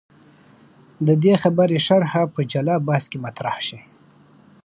د دې خبرې شرحه په جلا بحث کې مطرح شي.